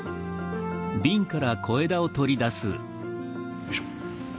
よいしょ。